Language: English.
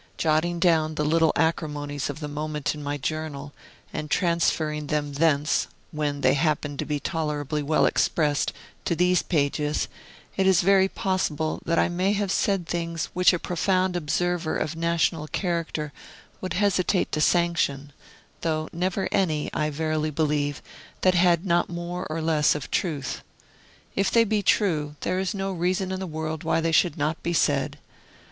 Jotting down the little acrimonies of the moment in my journal, and transferring them thence (when they happened to be tolerably well expressed) to these pages, it is very possible that I may have said things which a profound observer of national character would hesitate to sanction, though never any, I verily believe, that had not more or less of truth. If they be true, there is no reason in the world why they should not be said.